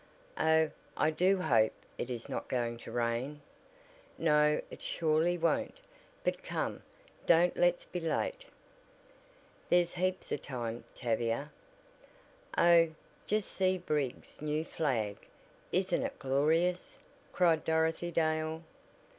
"Oh, I do hope it is not going to rain!" "No, it surely won't. But come, don't let's be late." "There's heaps of time, Tavia. Oh, just see Briggs' new flag! Isn't it glorious?" cried Dorothy Dale.